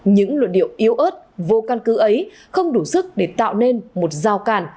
những luận điệu yếu ớt vô căn cứ ấy không đủ sức để tạo nên một giao cản